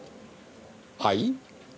はい？